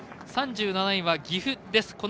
３７位は岐阜です。